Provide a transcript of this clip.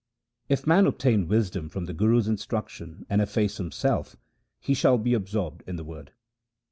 If man obtain wisdom from the Guru's instruction and efface himself, he shall be absorbed in the Word.